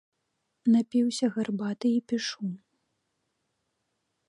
Напіўся гарбаты і пішу.